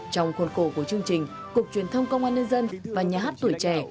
trong khuôn khổ của chương trình cục truyền thông công an nhân dân và nhà hát tuổi trẻ